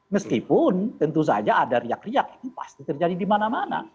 meskipun tentu saja ada riak riak itu pasti terjadi di mana mana